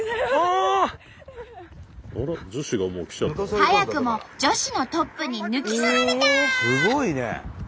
早くも女子のトップに抜き去られた！